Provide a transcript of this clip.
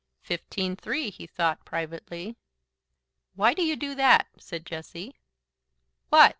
"Fifteen three," he thought, privately. "Why do you do that?" said Jessie. "WHAT?"